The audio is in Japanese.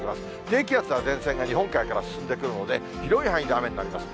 低気圧や前線が日本海から進んでくるので、広い範囲で雨になります。